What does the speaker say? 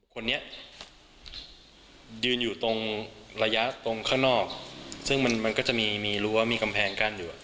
คนนี้ยืนอยู่ตรงระยะตรงข้างนอกซึ่งมันมันก็จะมีมีรั้วมีกำแพงกั้นอยู่